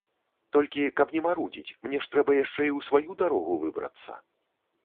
Толькі, каб не марудзіць, мне ж трэба яшчэ і ў сваю дарогу выбрацца.